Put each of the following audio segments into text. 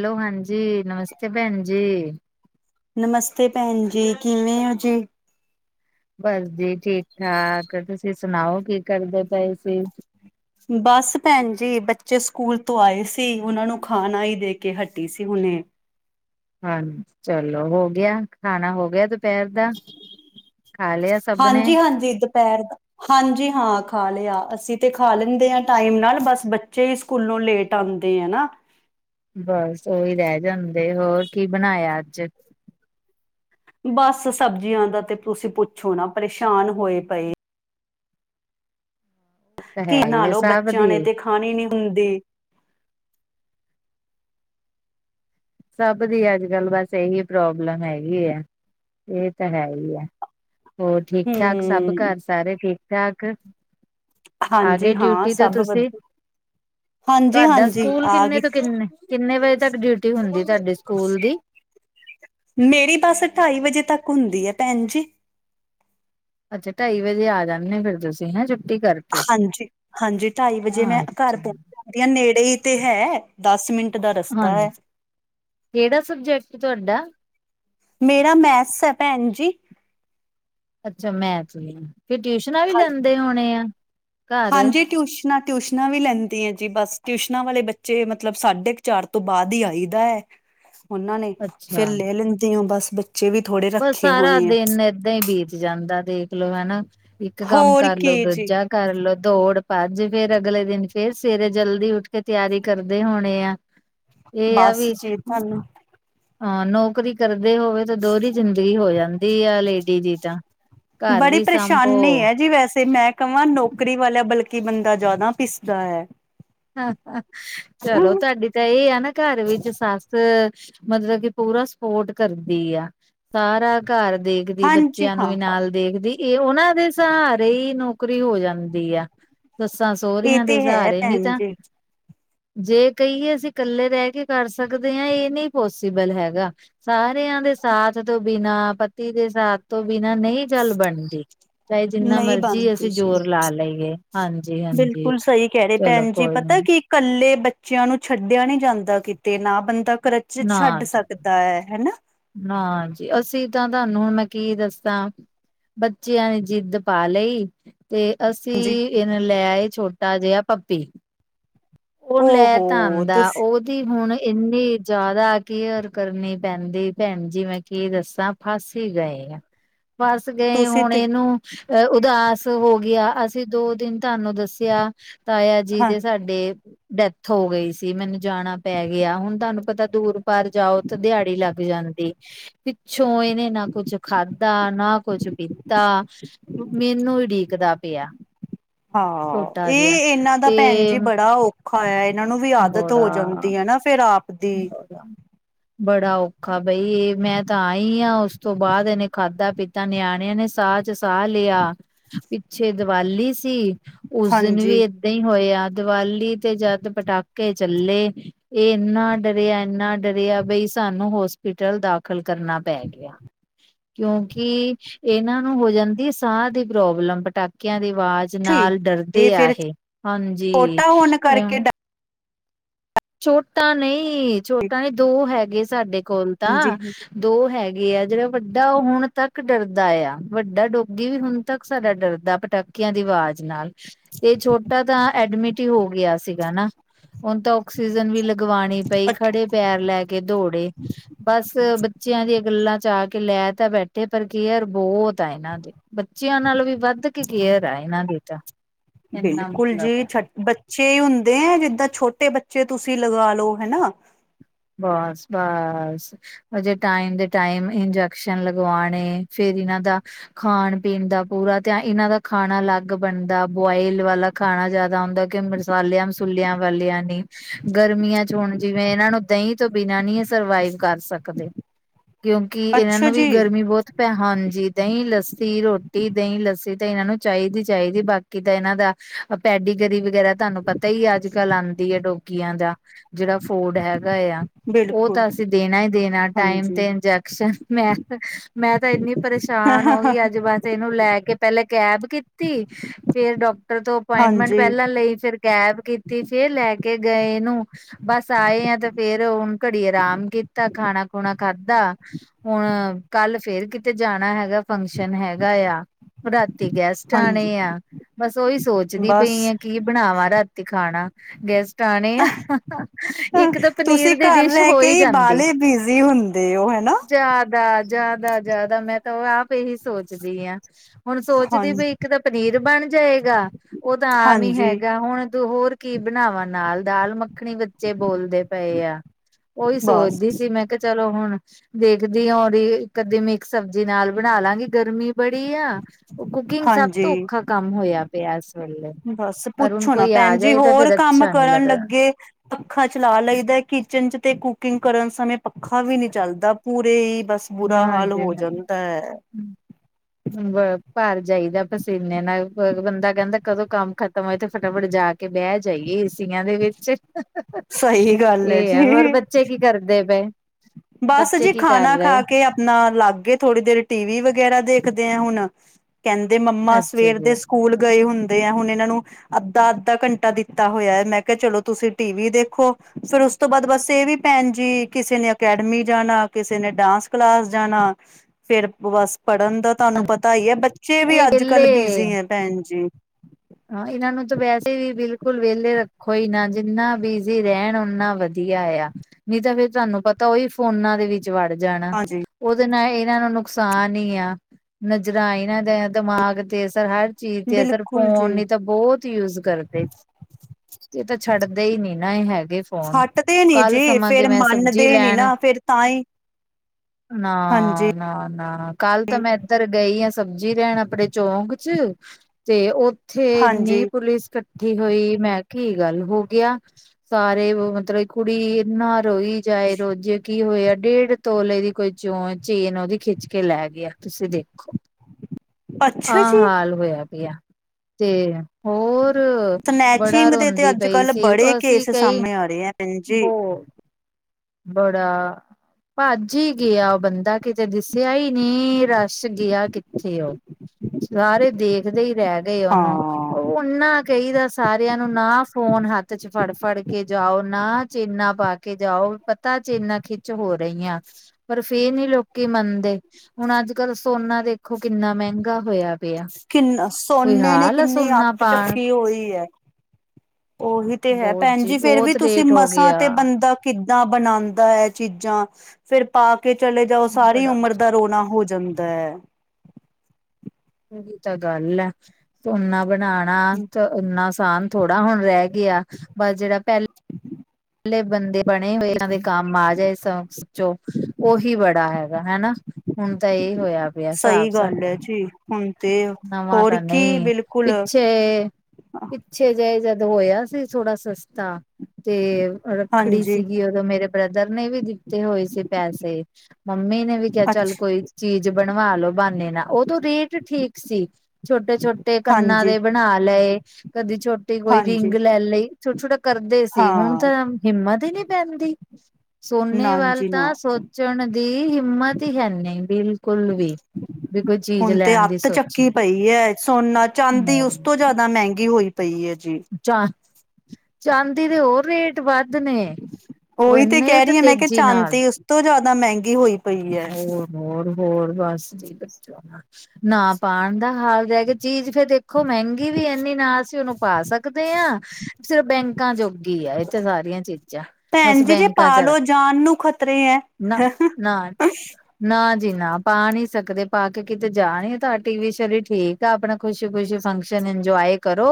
Hello, ਹਾਂਜੀ ਨਮਸਤੇ ਭੈਣ ਜੀ, ਨਮਸਤੇ ਭੈਣ ਜੀ ਕਿਵੇਂ ਹੋ ਜੀ? ਬਸ ਜੀ ਠੀਕ ਆ ਤੁਸੀਂ ਸੁਣਾਓ? ਕੀ ਕਰਦੇ ਪਏ ਸੀ? ਬਸ ਭੈਣ ਜੀ, ਬੱਚੇ ਸਕੂਲ ਤੋਂ ਆਏ ਸੀ। ਉਹਨਾਂ ਨੂੰ ਖਾਣਾ ਹੀ ਦੇ ਕੇ ਹਟੀ ਸੀ ਹੁਨੇ ਹਾਂਜੀ, ਚਲੋ ਹੋ ਗਿਆ ਖਾਣਾ, ਹੋ ਗਿਆ ਤੇ ਸਭ ਨੇ। ਹਾਂਜੀ -ਹਾਂਜੀ ਦੁਪਹਿਰ ਦਾ ਹਾਂਜੀ, ਹਾਂ ਖਾ ਲਿਆ ਅਸੀਂ ਤੇ ਖਾ ਲੈਂਦੇ ਹਾਂ ਟਾਈਮ ਨਾਲ, ਬਸ ਬੱਚੇ ਸਕੂਲੋਂ ਲੇਟ, ਆਦੇ ਆ ਨਾ ਬਸ ਓਹੀ ਰਹਿ ਜਾਂਦੇ ਹੋਰ ਕੀ ਬਣਾਇਆ ਅੱਜ? ਬਸ ਸਬਜ਼ੀਆਂ ਦਾ ਤੇ ਤੁਸੀਂ ਪੁੱਛੋ ਨਾ, ਪਰੇਸ਼ਾਨ ਹੋਏ ਪਏ ਤਾਂ ਕੀ ਹੈ ਨਾ ਹੀ ਹੈ ਲਓ ਸਭ ਬੱਚਿਆਂ ਦੀ ਨੇ ਤੇ ਖਾਣੀ ਨੀ ਹੁੰਦੀ ਸਭ ਦੀ, ਅੱਜ -ਕੱਲ ਬਸ ਇਹੀ ਪ੍ਰੋਬਲਮ ਹੈਗੀ ਆ, ਇਹ ਤਾਂ ਹੈ ਹੀ ਆ ਹੋਰ, ਠੀਕ -ਠਾਕ ਸਭ ਹੂੰ। ਘਰ ਸਾਰੇ ਠੀਕ- ਠਾਕ? ਆ ਹਾਂਜੀ ਗਏ, ਹਾਂ ਡਿਊਟੀ ਤੋਂ ਸਭ ਤੁਸੀਂ? ਵਧੀਆ ਤੁਹਾਡਾ ਹਾਂਜੀ-ਹਾਂਜੀ ਸਕੂਲ, ਆ ਗਈ। ਕਿੰਨੇ ਤੋਂ ਕਿੰਨੇ- ਕਿੰਨੇ ਵਜੇ ਤੱਕ ਡਿਊਟੀ ਹੁੰਦੀ ਤੁਹਾਡੇ ਸਕੂਲ ਦੀ? ਮੇਰੀ ਬੱਸ ਢਾਈ ਵਜੇ ਤੱਕ, ਹੁੰਦੀ ਹੈ ਭੈਣ ਜੀ। ਅੱਛਾ, ਢਾਈ ਵਜੇ ਆ ਜਾਂਦੇ, ਫ਼ਿਰ ਤੁਸੀਂ ਛੁੱਟੀ ਕਰਕੇ ਹਾਂਜੀ- ਹਾਂਜੀ ਢਾਈ ਵਜੇ ਮੈਂ ਘਰ ਅੱਛਾ ਪਹੁੰਚਦੀ ਹਾਂ, ਨੇੜੇ ਹੀ ਤੇ ਹੈ ਦਸ ਮਿੰਟ, ਦਾ ਰਸਤਾ ਹਾਂਜੀ ਏ ਕਿਹੜਾ ਸਬਜੈਕਟ ਤੁਹਾਡਾ? ਮੇਰਾ ਮੈਥਸ, ਹੈ ਭੈਣ ਜੀ। ਅੱਛਾ ਮੈਂਥ ਵੀ, ਫਿਰ ਟਿਊਸ਼ਨਾਂ ਵੀ ਹਾਂ ਲੈਂਦੇ ਹੋਣੇ ਆ ਘਰ ਹਾਂਜੀ, ਟਿਊਸ਼ਨਾਂ ਟਿਊਸ਼ਨਾਂ ਵੀ ਲੈਂਦੀ ਹੈ ਜੀ, ਬਸ ਟਿਊਸ਼ਨਾਂ ਵਾਲੇ ਬੱਚੇ ਮਤਲਬ ਸਾਢੇ ਕੁ ਚਾਰ, ਤੋਂ ਬਾਅਦ ਹੀ ਆਈ ਦਾ ਐ [inaudible] ਉਹਨਾਂ ਨੇ, ਅੱਛਾ ਫੇਰ ਲੈ ਲੈਂਦੀਉ ਬਸ, ਬੱਚੇ ਵੀ ਥੋੜੇ ਬਸ ਰੱਖੇ ਸਾਰਾ ਹੋਏ ਆ ਦਿਨ ਏਦਾਂ ਹੀ ਬੀਤ ਜਾਂਦਾ ਦੇਖਲੋ ਹਨਾ, ਇੱਕ ਕੰਮ ਹੋਰ ਕਰਲਓ ਕੀ ਜੀ ਦੂਜਾ ਕਰਲੋ ਦੌੜ ਭੱਜ ਫੇਰ, ਅਗਲੇ ਦਿਨ ਫੇਰ ਸਵੇਰੇ ਜਲਦੀ ਉੱਠ ਕੇ ਤਿਆਰੀ ਕਰਦੇ ਹੋਣੇ ਆ ਇਹ ਆ ਬਸ ਵਈ ਜੀ ਤੁਹਾਨੂੰ ਹਾਂ ਨੌਕਰੀ ਕਰਦੇ ਹੋਵੇ ਤਾਂ, ਦੋਹਰੀ ਜ਼ਿੰਦਗੀ ਹੋ ਜਾਂਦੀ ਆ ਲੇਡੀ ਦੀ ਤਾਂ ਘਰ ਬੜੀ ਵੀ ਸਾਂਭੋ ਪਰੇਸ਼ਾਨੀ ਹੈ ਜੀ ਵੈਸੇ ਮੈਂ ਕਹਾਂ ਨੌਕਰੀ ਵਾਲਾ ਬਲਕਿ ਕਿ ਬੰਦਾ ਜ਼ਿਆਦਾ ਪਿਸਦਾ ਹੈ। ਚਲੋ ਤੁਹਾਡੀ ਤਾਂ ਇਹ ਆ ਨਾ ਘਰ ਵਿੱਚ ਸੱਸ ਮਤਲਬ ਕਿ ਪੂਰਾ ਸਪੋਰਟ ਕਰਦੀ ਆ ਸਾਰਾ ਘਰ ਦੇਖ ਦੇਖਦੀ ਹਾਂਜੀ ਬੱਚਿਆਂ ਨੂੰ ਹਾਂ ਵੀ ਨਾਲ ਦੇਖਦੀ ਇਹ ਉਹਨਾਂ ਦੇ ਸਹਾਰੇ ਹੀ ਨੌਕਰੀ ਹੋ ਜਾਂਦੀ ਆ। ਸੱਸਾਂ ਇਹ ਸੋਹੁਰਿਆਂ ਦੇ ਤੇ ਹੈ ਸਹਾਰੇ ਨੀ ਭੈਣ ਤਾਂ ਜੀ ਜੇ ਕਹੀਏ ਅਸੀਂ ਇਕੱਲੇ ਰਹਿ ਕੇ ਕਰ ਸਕਦੇ ਹਾਂ ਇਹ ਨਹੀਂ ਪੋਸੀਬਲ ਹੈਗਾ। ਸਾਰਿਆਂ ਦੇ ਸਾਥ ਤੋਂ ਬਿਨਾਂ ਪਤੀ ਦੇ ਸਾਥ ਤੋਂ ਬਿਨਾਂ ਨਹੀਂ ਗੱਲ ਬਣਦੀ। ਚਾਹੇ ਜਿੰਨਾ ਨਹੀਂ ਮਰਜੀ ਬਣਦੀ ਅਸੀਂ ਸੀ। ਜ਼ੋਰ ਲਾ ਲਈਏ ਹਾਂਜੀ ਹਾਂਜੀ ਚਲੋ ਕੋਈ ਨੀ। ਕੱਲੇ ਬੱਚਿਆਂ ਨੂੰ ਛੱਡਿਆ ਨੀ ਜਾਂਦਾ ਕਿਤੇ ਨਾ ਬੰਦਾ ਘਰ 'ਚ ਨਾ ਛੱਡ ਜੀ। ਸਕ ਦਾ ਏ ਹਨਾ। ਨਾ ਜੀ ਅਸੀਂ ਤਾਂ ਤੁਹਾਨੂੰ ਹੁਣ ਮੈਂ ਕੀ ਦੱਸਾਂ। ਬੱਚਿਆਂ ਨੇ ਜਿੱਦ ਪਾ ਲਈ। ਤੇ ਜੀ ਅਸੀਂ ਇਹ ਨਾ ਲੈ ਆਏ ਛੋਟਾ ਜਿਹਾ ਪੱਪੀ ਉਹ ਲੈ ਓਹੋ ਤਾਂ ਆਉਂਦਾ ਤੁਸੀਂ ਉਹ ਹੁਣ ਇੰਨੀ ਜ਼ਿਆਦਾ ਕੇਅਰ ਕਰਨੀ ਪੈਂਦੀ ਭੈਣ ਜੀ ਮੈਂ ਕੀ ਦੱਸਾਂ। ਫਸ ਹੀ ਗਏ ਫਸ ਗਏ ਤੁਸੀਂ ਹੁਣ ਤੇ ਇਹਨੂੰ ਅ ਅਹ ਉਦਾਸ ਹੋ ਗਿਆ ਅਸੀਂ ਦੋ ਦਿਨ ਤਾਨੂੰ ਦੱਸਿਆ। ਤਾਇਆ ਜੀ ਹਾਂ ਦੇ ਸਾਡੇ ਡੈਥ ਹੋ ਗਈ ਸੀ ਮੈਨੂੰ ਜਾਣਾ ਪੈ ਗਿਆ, ਹੁਣ ਤੁਹਾਨੂੰ ਪਤਾ ਦੂਰ ਪਾਰ ਜਾਓ। ਤਾਂ ਦਿਹਾੜੀ ਲੱਗ ਜਾਂਦੀ। ਪਿੱਛੋਂ ਇਹਨੇ ਨਾ ਕੁਛ ਖਾਧਾ ਨਾ ਕੁਛ ਪੀਤਾ। ਮੈਨੂੰ ਉਡੀਕ ਦਾ ਪਿਆ। ਹਾਂ ਛੋਟਾ ਜਿਹਾ ਇਹ ਇਹਨਾਂ ਦਾ ਭੈਣ ਤੇ ਜੀ ਬੜਾ ਔ ਖਾ ਇਹਨਾਂ ਨੂੰ ਵੀ ਆਦਤ ਹੋ ਜਾਂਦੀ ਹੈ ਬੜਾ ਨਾ ਫੇਰ ਆਪ ਦੀ [inaudible] ਬੜਾ ਔਖਾ ਬਈ ਇਹ ਮੈਂ ਤਾਂ ਆਈ ਆ ਉਸ ਤੋਂ ਬਾਅਦ ਇਹਨੇ ਖਾਧਾ ਪੀਤਾ ਨਿਆਣਿਆਂ ਨੇ ਸਾਹ ਚ ਸਾਹ ਲਿਆ ਪਿੱਛੇ ਦੀਵਾਲੀ ਸੀ ਉਸ ਦਿਨ ਵੀ ਹਾਂਜੀ ਏ ਇਦਾਂ ਹੀ ਹੋਇਆ ਦੀਵਾਲੀ ਤੇ ਜਦ ਪਟਾਕੇ ਚੱਲੇ ਏ ਇਨ੍ਹਾਂ ਡਰਿਆ ਇੰਨਾ ਡਰਿਆ ਬਈ ਸਾਨੂੰ ਹੋਸਪਿਟਲ ਦਾਖਲ ਕਰਨਾ ਪੈ ਗਿਆ। ਕਿਉਂਕਿ ਇਹਨਾਂ ਨੂੰ ਹੋ ਜਾਂਦੀ ਸਾਹ ਦੀ ਪ੍ਰੋਬਲਮ ਪਟਾਕਿਆਂ ਦੀ ਆਵਾਜ਼ ਜ ਠੀਕ ਨਾਲ ਡਰਦੇ ਆ ਫੇਰ ਇਹ ਹਾਂਜੀ ਛੋਟਾ ਹੋਣ ਹ ਕਰਕੇ ਡ ਛੋਟਾ ਨਹੀਂ ਛੋਟਾ ਨਹੀਂ ਦੋ ਹੈਗੇ ਸਾਡੇ ਕੋਲ ਤਾਂ ਹਾਂਜੀ ਦੋ ਹੈਗੇ ਆ ਜਿਹੜਾ ਵੱਡਾ ਉਹ ਹੁਣ ਤੱਕ ਡਰਦਾ ਆ ਵੱਡਾ ਡੋਗੀ ਵੀ ਹੁਣ ਤੱਕ ਸਾਡਾ ਡਰਦਾ ਪਟਾਕਿਆਂ ਦੀ ਆਵਾਜ਼ ਨਾਲ ਇਹ ਛੋਟਾ ਤਾਂ ਐਡਮਿਟ ਹੀ ਹੋ ਗਿਆ ਸੀਗਾ ਨਾ ਹੁਣ ਤਾਂ ਆਕਸੀਜਨ ਵੀ ਲਗਵਾਉਣੀ ਪਈ ਖੜੇ ਪੈਰ ਲੈ ਕੇ ਦੌੜੇ। ਬਸ ਬੱਚਿਆਂ ਦੀਆਂ ਗੱਲਾਂ 'ਚ ਆ ਕੇ ਲੈ ਤਾਂ ਬੈਠੇ ਪਰ ਕੇਅਰ ਬਹੁਤ ਆ ਇਹਨਾਂ ਦੀ। ਬੱਚਿਆਂ ਨਾਲੋ ਵੀ ਵੱਧ ਕੇ ਕੇਅਰ ਆ ਇਹਨਾਂ ਦੀ ਤਾਂ। ਇੰਨਾ ਬਿਲਕੁਲ ਮਤਲਬ ਹੈ ਜੀ ਛ ਬੱਚੇ ਹੀ ਹੁੰਦੇ ਆ ਜਿੱਦਾਂ ਛੋਟੇ ਬੱਚੇ ਤੁਸੀਂ ਲਗਾ ਲਓ ਹੈਨਾ। ਬਾਸ ਬਾਸ। ਹਜੇ ਟਾਈਮ ਦੇ ਟਾਈਮ ਇੰਜੈਕਸ਼ਨ ਲਗਵਾਣੇ ਫਿਰ ਇਹਨਾਂ ਦਾ ਖਾਣ ਪੀਣ ਦਾ ਪੂਰਾ ਧਿਆ ਇਹਨਾਂ ਦਾ ਖਾਣਾ ਅਲੱਗ ਬਣਦਾ ਬੁਆਇਲ ਵਾਲਾ ਖਾਣਾ ਜਿਆਦਾ ਹੁੰਦਾ ਕਿ ਮਸਾਲਿਆਂ -ਮਸੂਲਿਆਂ ਵਾਲਿਆਂ ਨੀ ਗਰਮੀਆਂ 'ਚ ਹੁਣ ਜਿਵੇਂ ਇਹਨਾਂ ਨੂੰ ਦਹੀਂ ਤੋਂ ਬਿਨਾਂ ਨਹੀਂ ਇਹ ਸਰਵਾਈਵ ਕਰ ਸਕਦੇ ਕਿਉਂਕਿ ਇਹਨਾਂ ਅੱਛਾ ਨੂੰ ਵੀ ਜੀ ਗਰਮੀ ਬਹੁਤ ਤ ਪੈ ਹਾਂਜੀ ਦਈਂ, ਲੱਸੀ, ਰੋਟੀ, ਦਈਂ, ਲੱਸੀ ਤੇ ਏਨਾਂ ਨੂੰ ਚਾਈਦੀ ਚਾਈਦੀ ਏ ਬਾ ਕਿੱਦਾਂ ਏਨਾਂ ਦਾ ਆ ਪੈਡੀਗਰੀ ਵਗੈਰਾ ਤਾਨੂੰ ਪਤਾ ਈ ਐ ਅੱਜ ਕੱਲ ਆਂਦੀ ਏ ਡੋਕੀਆਂ ਦਾ ਜੜਾ ਫੋਡ ਹੈਗਾ ਏਆ ਓ ਬਿਲਕੁਲ ਤਾਂ ਅਸੀ ਦੇਨਾ ਈ ਦੇਨਾ ਟਾਈਮ ਹਾਂਜੀ, ਤੇ ਇੰਜੈਕਸ਼ਨ ਮੈਂ, ਮੈਂ ਤਾਂ ਏਨੀਂ ਪਰੇਸ਼ਾਨ ਹੋ ਗੀ ਅੱਜ ਬਸ ਏਨੂੰ ਲੈ ਕੇ ਪੈਲੇ ਕੈਬ ਕੀਤੀ ਫੇਰ ਡੋਕਟਰ ਤੋਂ ਅਪੋਇੰਟਮੈਂਟ ਹਾਂਜੀ, ਪੈਲਾਂ ਲਈ ਫੇਰ ਕੈਬ ਕੀਤੀ। ਫੇਰ ਲੈ ਕੇ ਗਏ ਏਨੂੰ। ਬਸ ਆਏ ਆਂ ਤੇ ਫੇਰ ਹੁਨ ਘੜੀ ਅਰਾਮ ਕੀਤਾ, ਖਾਣਾ-ਖੁਣਾ ਖ਼ਾੱਧਾ ਹੁਨ ਕੱਲ ਫੇਰ ਕਿਤੇ ਜਾਨਾ ਹੈਗੈ ਫੰਕਸ਼ਨ ਹੈਗਾ ਏ ਆ। ਰਾਤੀ ਗੈਸਟ ਆਣੇ ਹਾਂਜੀ ਆ। ਬਸ ਓਈ ਸੋਚਦੀ ਬਸ ਪਈਂ ਐਂ ਕੀ ਬਣਾਵਾ ਰਾਤੀ ਖਾਣਾ ਗੈਸਟ ਆਣੇ ਆ। ਇੱ ਕ ਤਾਂ ਪਨੀਰ ਤੁਸੀਂ ਦੀ ਘਰ ਡਿਸ਼ ਰਹਿ ਹੋ ਕੇ ਈ ਹੀ ਜਾਂਦੀ। ਬਾਲੇ ਬਿਜ਼ੀ ਹੁੰਦੇ ਹੋ ਹਨਾ। ਜਾ ਦਾ, ਜਾਦਾ ਜਿਆਦਾ ਮੈਂ ਤਾਂ ਓ ਆਪ ਏਹੀ ਸੋਚਦੀ ਆਂ ਹੁਣ ਹਾਂ ਸੋਚਦੀ ਪਈ ਇੱਕ ਤਾਂ ਪਨੀਰ ਬਣ ਜਾਏਗਾ। ਓ ਤਾਂ ਆਮ ਹੀ ਹਾਂਜੀ ਹੈਗਾ ਹੁਣ ਦੋ ਹੋਰ ਕੀ ਬਨਾਵਾ ਨਾਲ। ਦਾਲ ਮੱਖਣੀ ਬੱਚੇ ਬੋਲਦੇ ਪਏ ਆ। ਓਈ ਬਸ ਸੋਚਦੀ ਸੀ ਮੈਂ ਕ ਚਲੋ ਹੁਣ ਵੇਖਦੀ ਆਂ ਔਰ ਈ ਇੱਕ ਅੱਧੀ ਮਿਕਸ ਸਬਜੀ ਨਾਲ ਬਣਾ ਲਾਂਗੀ। ਗਰਮੀ ਬੜੀ ਆ ੳ ਕੁਕਿੰਗ ਸਭ ਤੋਂ ਹਾਂਜੀ ਔਖਾ ਕੰਮ ਹੋਇਆ ਪਿਐ ਐਸ ਵੇਲੇ। ਬਸ ਪਰ ਹੁਣ ਪੁੱਛੋ ਨਾ ਕੋਈ ਆ ਪੈਨਜੀ ਜਾਏ ਤਾਂ ਹੋਰ ਫੇਰ ਕੰਮ ਅੱਛਾ ਨੀ ਕਰਨ ਲੱਗਦਾ ਲੱਗੇ ਪੱਖਾ ਚਲਾ ਲਈਦੈ ਕਿਚਨ 'ਚ ਤੇ ਕੁਕਿੰਗ ਕਰਨ ਸਮੇ ਪੱਖਾ ਵੀ ਨੀ ਚੱਲਦਾ ਪੂਰੇ ਏ ਈ ਬਸ ਬੁਰਾ ਹਾਲ ਹਾਂਜੀ ਹੋ ਜਾਦੈ। ਹੂੰ, ਵ ਭਰ ਜਾਈਦੈ ਪਸੀਨੇ ਨਾਲ ਪ ਬੰਦਾ ਕੈਂਦੈ ਕਦੋਂ ਕੰਮ ਖਤਮ ਹੋਏ ਤੇ ਫਟਾਫਟ ਜਾ ਕੇ ਬੈ ਜਾਈਏ ਇਸ ਤੀਆਂ ਦੇ ਵਿੱਚ, ਸਹੀ ਗੱਲ ਹੈ ਏ ਐ। ਹੋਰ ਜੀ। ਬੱਚੇ ਕੀ ਕਰਦੇ ਪਏ? ਬਸ ਬੱਚੇ ਜੀ ਕੀ ਕਰ ਖਾਨਾ ਖਾ ਰਹੇ? ਕੇ ਆਪਣਾ ਲੱਗ ਗੇ ਥੋੜੀ ਦੇਰ ਟੀਵੀ ਵਗੈਰਾ ਦੇਖਦੇ ਆਂ ਹੁਨ ਕੈਂਦੇ ਮੰਮਾ ਅੱਛਾ ਸਵੇਰ ਜੀ ਦੇ ਸਕੂਲ ਗਏ ਹੁੰਦੇ ਆਂ ਹੁਨ ਏਨਾਂ ਨੂੰ ਅੱਧਾ-ਅੱਧਾ ਘੰਟਾ ਦਿੱਤਾ ਹੋਇਐ। ਮੈਂ ਕਿਆ ਚਲੋ ਤੁਸੀ ਟੀ ਵੀ ਦੇਖੋ ਫਿਰ ਉਸ ਤੋਂ ਬਾਦ ਬਸ ਏ ਵੀ ਪੈਨਜੀ ਕਿਸੇ ਨੇ ਅਕੈਡਮੀ ਜਾਨਾ, ਕਿਸੇ ਨੇ ਡਾਂਸ ਕਲਾਸ ਜਾਨਾ, ਫੇਰ ਪ ਬਸ ਪੜਨ ਦਾ ਤਾਨੂੰ ਪਤਾ ਈ ਐ ਬੱਚੇ ਵੀ ਨਹੀਂ ਅੱਜ ਕੱਲ ਵਿਹਲੇ ਬਿਜ਼ੀ ਐਂ ਪੈਨਜੀ। ਹਾਂ ਏਨਾਂ ਨੂੰ ਤਾ ਵੈਸੇ ਵੀ ਬਿਲਕੁਲ ਵੇਲੇ ਰੱਖੋ ਇਨਾ ਜਿੰਨਾ ਬਿਜ਼ੀ ਰੈਣ ਓਨਾਂ ਵਧੀਆ ਐਆ। ਨੀ ਤਾਂ ਫੇਰ ਤੁਆਨੂੰ ਪਤਾ ਓਈ ਫੋਨਾਂ ਦੇ ਵਿੱ ਚ ਵੜ ਜਾਣਾ। ਹਾਂਜੀ ਓਦੇ ਨਾਲ ਏਨਾਂ ਨੂੰ ਨੁਕਸਾਨ ਈ ਆ। ਨਜਰਾਂ ਏਨਾਂ ਦਾਯਾਂ ਦਿਮਾਗ ਤੇ ਅਸਰ ਹਰ ਚੀਜ ਤੇ ਅਸਰ ਬਿਲਕੁਲ [unintelligible] ਜੀ ਨੀ ਤਾਂ ਬੋਤ ਯੂਜ਼ ਕਰਦੇ ਏ ਤਾਂ ਛੱਡਦੇ ਈ ਨੀ ਨਾ। ਏ ਹੈਗੇ ਫੋਨ। ਹਟਦੇ ਨੀ ਕੱਲ ਸਮਾਂਗੇ ਮੈਂ ਸਬਜੀ ਲੈਣ ਤਾਂਈ ਨਾਲ ਨਾ-ਨਾ, ਕੱਲ ਤਾਂ ਮੈਂ ਏੱਧਰ ਗਈ ਆ ਸਬਜ਼ੀ ਲੈਣ ਆਪਣੇ ਚੋਂਕ 'ਚ ਤੇ ਓ ਥੇ ਇੰਨੀ ਹਾਂਜੀ ਪੁਲਿਸ ਕੱ ਠੀ ਹੋਈ। ਮੈਂ ਕੀ ਗੱਲ ਹੋ ਗਿਆ। ਸਾਰੇ ਵੋ ਮਤਲਬ ਇੱਕ ਕੁੜੀ ਇੰਨਾਂ ਰੋਈ ਚਾਏ ਰੋ ਜੇ ਕੀ ਹੋਏਆ ਡੇਢ ਤੋਲੇ ਦੀ ਕੋਈ ਚੋ ਚੇਨ ਓਦੀ ਖਿੱਚ ਕੇ ਲੈ ਗਿਆ। ਤੁਸੀ ਦੇਖੋ। ਆ ਅੱਛਾ ਜੀ ਹਾਲ ਹੋਇਆ ਪਿਐ। ਤੇ ਹੋਰ ਬੜਾ ਸਨੈਚਿੰਗ ਦੇ ਤੇ ਰੋਂਦੀ ਪਈ ਅੱਜ-ਕੱਲ੍ਹ ਸੀ। ਬੜੇ ਅ ਅਸੀ ਕੇਸ ਕਈ [inaudible] ਬੋਹ ਬੜਾ ਭੱਜ ਈ ਗਿਆ ਓ ਬੰਦਾ ਕਿਤੇ ਦਿਸਿਆ ਈ ਨਈ ਰਸ਼ ਗਿਆ ਕਿੱਥੇ ਓ ਸਾਰੇ ਦੇਖ ਦੇਖਦੇ ਈ ਰੈ ਗਏ ਉਹਨੂੰ ਹਾਂ ਓ ਓਨਾ ਕਈ ਦਾ ਸਾਰਿਆਂ ਨੂੰ ਨਾ ਫੋਨ ਹੱਥ 'ਚ ਫੜ-ਫੜ ਕੇ ਜਾਓ ਨਾ ਚੇਨਾ ਪਾ ਕੇ ਜਾਓ। ਪਤਾ ਚੇਨਾ ਖਿੱਚ ਹੋ ਰਈਆਂ ਪਰ ਫਿਰ ਨੀ ਲੋਕੀ ਮੰਨਦੇ ਹੁਣ ਅੱਜ ਕੱਲ ਸੋਨਾ ਦੇਖੋ ਕਿੰਨਾ ਮਹਿੰਗਾ ਹੋਇਆ ਪਿਆ। ਕਿੰਨਾ ਕੋਈ ਸੋਨੇ ਨੇ ਹਾਲ ਆ ਕਿੰਨੀ ਸੋਨਾ ਅੱਤ ਪਾਣ ਚੱਕੀ ਹੋਈ ਐ। ਉਹੀ ਤੇ ਹੈ ਬਹੁਤ ਭੈਣ ਜੀ ਫੇਰ ਵੀ ਬਹੁਤ ਤੁਸੀਂ ਰੇਟ ਹੋ ਮਸਾਂ ਗਿਆ ਤੇ ਬੰਦਾ ਕਿੱਦਾਂ ਬਣਾਦਾ ਐ ਚੀਜ਼ਾਂ ਫੇਰ ਪਾ ਕੇ ਚਲੇ ਜਾਓ ਸਾਰੀ ਬੜਾ ਉਮਰ ਦਾ ਰੋਣਾ ਹੋ ਜਾਂਦਾ ਐ। ਉਹੀ ਤਾ ਗੱਲ ਹੈ ਸੋਨਾ ਬਣਾਣਾ 'ਚ ਇਨਾ ਆਸਾਨ ਥੋੜਾ ਹੁਣ ਰਹਿ ਗਿਆ ਬਸ ਜੇੜਾ ਪੈਲ [inaudible] ਪੈਲੇ ਬੰਦੇ ਬਣੇ ਹੋਏ ਇਹਨਾਂ ਦੇ ਕੰਮ ਆ ਜਾਏ ਸ ਚੋਂ ਉਹੀ ਬੜਾ ਹੈਗਾ ਹਨਾ ਹੁਣ ਤਾਂ ਇਹ ਹੋਇਆ ਪਿਆ ਸਹੀ ਸਾਬ ਗੱਲ ਸਾਡਾ ਹੈ ਜੀ ਹੁਣ ਤੇ ਨਵਾਂ ਹੋਰ ਤਾਂ ਕੀ ਨਈ ਬਿਲਕੁਲ ਪਿੱਛੇ ਪਿੱਛੇ ਜਿਹੇ ਜਦ ਹੋਇਆ ਸੀ ਥੋੜਾ ਸਸਤਾ ਤੇ ਰੱਖੜੀ ਹਾਂਜੀ ਸੀਗੀ ਉਦੋਂ ਮੇਰੇ ਬ੍ਰਦਰ ਨੇ ਵੀ ਦਿੱਤੇ ਹੋਏ ਸੀ ਪੈਸੇ ਮੰਮੀ ਨੇ ਵੀ ਕਿਆ ਚੱਲ ਅੱਛਾ ਕੋਈ ਚੀਜ਼ ਬਣਵਾ ਲੋ ਬਾਨੇ ਨਾਲ ਉਦੋਂ ਰੇਟ ਠੀਕ ਸੀ ਛੋਟੇ-ਛੋਟੇ ਕੰਨਾਂ ਹਾਂਜੀ ਦੇ ਬਣਾ ਲਏ ਕਦੀ ਛੋਟ ਟੀ ਕੋਈ ਹਾਂਜੀ ਰਿੰਗ ਲੈ ਲਈ ਛੋਟਾ- ਛੋਟਾ ਕਰਦੇ ਸੀ ਹੁਣ ਹਾਂ ਤਾਂ ਹਿੰਮਤ ਹੀ ਨਈ ਪੈਂਦੀ। ਸੋਨੇ ਨਾ ਵੱਲ ਜੀ ਨਾ ਤਾਂ ਸੋਚਣ ਦੀ ਹਿੰਮਤ ਈ ਹੈਨੀ ਬਿਲਕੁਲ ਵੀ ਵੀ ਕੋਈ ਚੀਜ਼ ਲੈਣ ਦੀ ਸੋਚ ਟ ਪਈ ਸੋਨਾ ਚਾਂਦੀ ਉਸ ਤੋਂ ਜਾਦਾ ਮਹਿੰਗੀ ਹੋਈ ਪਈ ਹੈ ਜੀ। ਚਾਂ ਚਾਂਦੀ ਦੇ ਹੋਰ ਰੇਟ ਵੱਧ ਨੇ ਓ ਉਹੀ ਇੰਨੇ ਕਹਿ ਤੇ ਰਹੀ ਹੈ ਮੈਂ ਕਿਹਾ ਤੇਜ਼ੀ ਨਾਲ ਚਾਂਦੀ ਉਸ ਤੋਂ ਜਾਦਾ ਮਹਿੰਗੀ ਹੋਈ। ਪਈ ਹੈ। ਹੋਰ-ਹੋਰ-ਹੋਰ ਬਸ ਜੀ ਬੱਚੋ ਨਾ ਪਾਣ ਦਾ ਹਾਲ ਰੈ ਕੇ ਚੀਜ਼ ਫਿਰ ਦੇਖੋ ਮਹਿੰਗੀ ਵੀ ਇੰਨੀ ਨਾ ਅਸੀਂ ਉਹਨੂੰ ਪਾ ਸਕਦੇ ਹਾਂ ਸਿਰਫ ਬੈਂਕਾਂ ਜੋਗ ਕੀ ਆ ਇਥੇ ਸਾਰੀਆਂ ਚੀਜ਼ਾਂ ਬਸ ਭੈਣ ਜੀ ਜੇ ਬੈਂਕਾਂ 'ਚ ਰੱਖ ਪਾਲੋ ਜਾਨ ਨੂੰ ਖ਼ਤਰੇ ਹੈ। ਨਾ-ਨਾ ਨਾ ਜੀ ਨਾ ਪਾ ਨਈ ਸਕਦੇ ਪਾ ਕੇ ਕਿਤੇ ਜਾ ਨਈ ਤਾਂ ਆਰਟੀਫਿਸ਼ਲ ਈ ਠੀਕ ਤਾਂ ਆਪਣਾ ਖੁਸ਼ੀ-ਖੁਸ਼ੀ ਫੰਕਸ਼ਨ ਇੰਜੋਏ ਕਰੋ।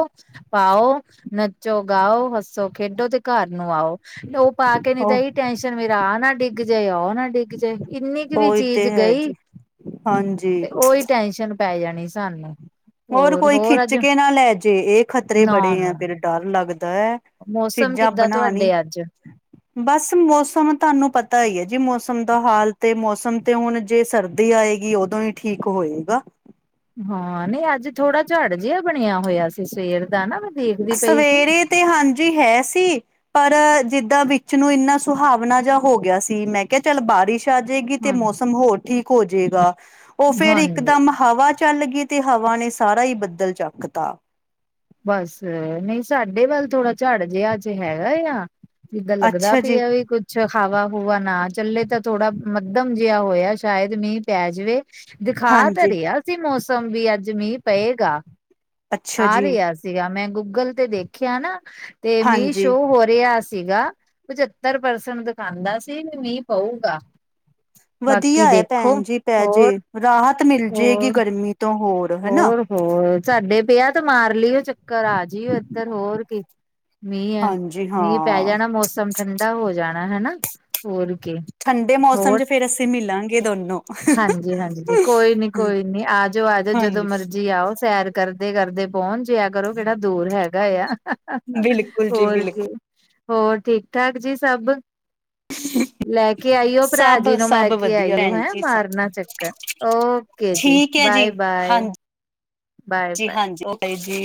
ਪਾਓ ਨੱਚੋ ਗਾਓ ਹੱਸੋ ਖੇਡੋ ਤੇ ਘਰ ਨੂੰ ਆਓ। ਓ ਪਾ ਕੇ ਨਈ ਤੇ ਏਈ ਟੈਨਸ਼ਨ ਮੇਰਾ ਆਹ ਨਾ ਡਿੱਗ ਜਏ ਆਓ ਨਾ ਡਿੱਗ ਜਏ। ਇੰਨੀ ਕੁ ਵੀ ਉਹੀ ਤੇ ਚੀਜ਼ ਹੈ ਗਈ ਜੀ ਹਾਂਜੀ। ਤੇ ਉਹੀ ਟੈਨਸ਼ਨ ਪੈ ਜਾਣੀ ਸਾਨੂੰ ਹੋਰ ਕੋਈ ਹੋਰ-ਹੋਰ ਖਿੱਚ ਅੱਜ ਕੇ ਨਾ ਲੈ ਜੇ ਇਹ ਖ਼ਤਰੇ ਬੜੇ ਆ ਨਾ-ਨਾ ਫਿਰ ਡਰ ਲੱਗਦਾ। ਮੌਸਮ ਚੀਜ਼ਾਂ ਕਿੱਦਾਂ ਬਣਾਣੀ ਤੁਹਾਡੇ ਅੱਜ ਬਸ ਮੌਸਮ ਤੁਹਾਨੂੰ ਪਤਾ ਈ ਏ ਜੀ ਮੌਸਮ ਦਾ ਹਾਲ ਤੇ ਮੌਸਮ ਤੇ ਹੁਣ ਜੇ ਸਰਦੀ ਆਏਗੀ ਉਦੋਂ ਹੀ ਠੀਕ ਹੋਏਗਾ। ਹਾਂ ਨਈ ਅੱਜ ਥੋੜਾ ਝੜ ਜਿਹਾ ਬਣਿਆ ਹੋਇਆ ਸੀ ਸਵੇਰ ਦਾ ਨਾ ਦੇਖਦੀ ਪਈ ਸੀ ਸਵੇਰੇ ਤੇ ਹਾਂਜੀ ਹੈ ਸੀ। ਪਰ ਜਿੱਦਾਂ ਵਿੱਚ ਨੂੰ ਇੰਨਾ ਸੁਹਾਵਨਾ ਜਿਹਾ ਹੋ ਗਿਆ ਸੀ ਮੈਂ ਕਿਆ ਚੱਲ ਬਾਰਿਸ਼ ਆ ਜਾਏਗੀ ਤੇ ਹਾਂ ਮੌਸਮ ਹੋਰ ਠੀਕ ਹੋ ਜਾਏਗਾ ਓ ਫਿਰ ਹਾਂਜੀ ਇੱਕਦਮ ਹਵਾ ਚੱਲ ਗਈ ਤੇ ਹਵਾ ਨੇ ਸਾਰਾ ਹੀ ਬੱਦਲ ਚੱਕ ਤਾ ਬਸ, ਨਹੀਂ ਸਾਡੇ ਵੱਲ ਥੋੜਾ ਝਾੜ ਜਿਹਾ ਚ ਹੈਗਾ ਆ। ਜਿੱਦਾਂ ਲੱਗਦਾ ਅੱਛਾ ਜੀ ਪਿਆ ਹੈ ਵੀ ਕੁੱਝ ਅਛਾ ਹਵਾ ਹੂਵਾ ਨਾ ਚੱਲੇ ਤਾਂ ਥੋੜਾ ਮੱਧਮ ਜਿਹਾ ਹੋਇਆ ਸ਼ਾਇਦ ਮੀਂਹ ਪੈ ਜਵੇ। ਦਿਖਾ ਤਾਂ ਹਾਂਜੀ ਰਿਹਾ ਸੀ ਮੌਸਮ ਵੀ ਅੱਜ ਮੀਂਹ ਪਏਗਾ। ਅੱਛਾ ਆ ਜੀ ਰਿਹਾ ਸੀ ਸੀਗਾ ਮੈਂ ਗੂਗਲ ਤੇ ਦੇਖਿਆ ਨਾ ਤੇ ਮੀਹ ਹਾਂਜੀ ਸ਼ੋ ਹੋ ਰਿਹਾ ਸੀਗਾ। ਪਚੱਤਰ ਪਰਸੈਂਟ ਦਿਖਾਉਂਦਾ ਸੀ ਵੀ ਮੀਂਹ ਪਊਗਾ। ਬਾਕੀ ਵਧੀਆ ਹੈ ਦੇਖੋ ਭੈਣ ਜੀ ਪੈ ਹੋਰ ਜੇ ਰਾਹਤ ਮਿਲ ਹੋਰ ਜੇਗੀ ਗਰਮੀ ਤੋਂ ਹੋਰ ਹਨਾ। ਹੋਰ ਸਾਡੇ ਪਿਆ ਤੇ ਮਾਰ ਲਿਓ ਚੱਕਰ ਆ ਜਇਓ ਇੱਧਰ ਹੋਰ ਕੀ। ਮੀਂਹ ਹੈ ਹਾਂਜੀ ਮੀਂਹ ਪੈ ਹਾਂ ਜਾਣਾ ਮੌਸਮ ਠੰਡਾ ਹੋ ਜਾਣਾ ਹਨਾ ਹੋਰ ਕੀ ਠੰਡੇ ਮੌਸਮ ਚ ਫੇਰ ਅਸੀਂ ਮਿਲਾਂਗੇ ਦੋਨੋ। ਹਾਂਜੀ -ਹਾਂਜੀ ਕੋਈ ਨੀ ਕੋਈ ਨੀ ਆ ਜਾਓ ਆ ਜਾਓ ਜਦੋਂ ਹਾਂਜੀ ਮਰਜੀ ਆਓ ਸੈਰ ਕਰਦੇ -ਕਰਦੇ ਪਹੱਚ ਜਿਹਾ ਕਰੋ ਕਿਹੜਾ ਦੂਰ ਹੈਗਾ ਆ ਬਿਲਕੁਲ ਜੀ ਹੋਰ ਬਿਲਕੁਲ ਕੀ। ਹੋਰ ਠੀਕ ਠਾਕ ਜੀ ਸਭ। ਲੈ ਕੇ ਆਈਓ ਭਰਾ ਸਭ ਜੀ ਨੂੰ ਸਭ ਮਾਈਕੇ ਵਧੀਆ ਆਈਓ ਭੈਣ ਹੈਣਾ। ਜੀ ਮਾਰਨਾ ਚੱਕਰ ਓਕੇ ਜੀ ਠੀਕ ਹੈ ਬਾਏ -ਬਾਏ। ਹਾਂਜੀ ਜੀ ਹਾਂਜੀ ਓਕੇ ਜੀ।